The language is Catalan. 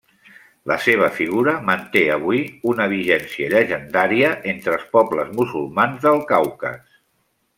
La seva figura manté avui una vigència llegendària entre els pobles musulmans del Caucas.